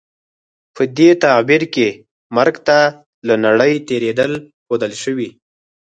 په دې تعبیر کې مرګ ته له نړۍ تېرېدل ښودل شوي.